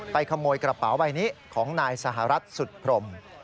ขโมยกระเป๋าใบนี้ของนายสหรัฐสุดพรม